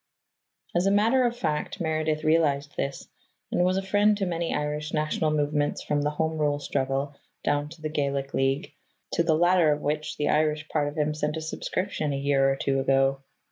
As a matter of fact, Meredith realized this, and was a friend to many Irish national movements from the Home Rule struggle down to the Gaelic League, to the latter of which the Irish part of him sent a subscription a year or two ago.